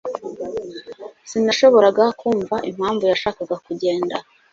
Sinashoboraga kumva impamvu yashakaga kugenda.